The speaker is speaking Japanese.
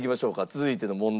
続いての問題。